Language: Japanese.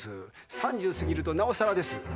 ３０を過ぎるとなおさらです。